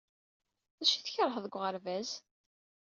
D acu i tkeṛheḍ deg uɣerbaz?